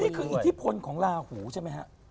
นี่คืออิทธิพลของลาหูใช่ไหมครับ